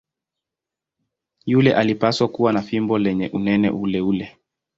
Yule alipaswa kuwa na fimbo lenye unene uleule.